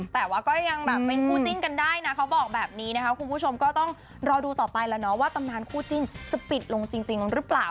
แต่ว่าก็ยังแบบเป็นคู่จิ้นกันได้นะเขาบอกแบบนี้นะคะคุณผู้ชมก็ต้องรอดูต่อไปแล้วเนาะว่าตำนานคู่จิ้นจะปิดลงจริงหรือเปล่า